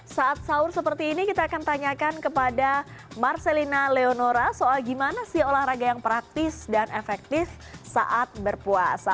saat sahur seperti ini kita akan tanyakan kepada marcelina leonora soal gimana sih olahraga yang praktis dan efektif saat berpuasa